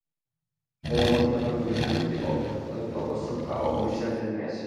তদবধি আমার পুরুষের প্রতি অভ্যন্ত অশ্রদ্ধা ও অবিশ্বাস জন্মিয়াছে।